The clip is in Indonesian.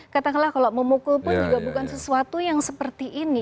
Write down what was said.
katakanlah kalau memukul pun juga bukan sesuatu yang seperti ini